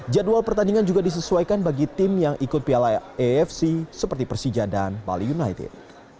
jadwal pertandingan juga disesuaikan bagi tim yang ikut piala afc seperti persija dan bali united